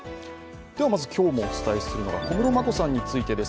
今日もお伝えするのが小室眞子さんについてです。